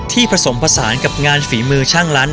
ผสมผสานกับงานฝีมือช่างล้าน